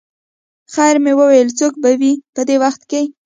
خیر مې وویل څوک به وي په دې وخت.